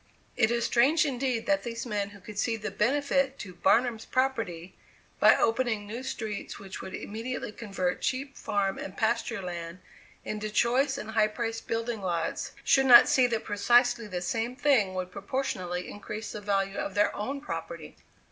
It is strange indeed that these men, who could see the benefit to "Barnum's property" by opening new streets which would immediately convert cheap farm and pasture land into choice and high priced building lots, should not see that precisely the same thing would proportionately increase the value of their own property.